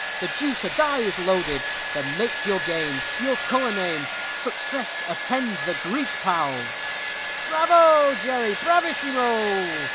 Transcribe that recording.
The deuce a die is loaded! Then make your game, Your color name; Success attend the Greek, pals. "Bravo, Jerry bravissimo!"